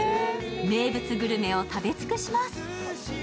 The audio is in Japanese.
名物グルメを食べ尽くします。